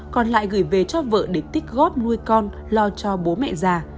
còn lại gửi về cho vợ để tích góp nuôi con lo cho bố mẹ già